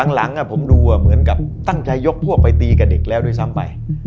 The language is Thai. หลังผมดูเหมือนกับตั้งใจยกพวกไปตีกับเด็กแล้วด้วยซ้ำไป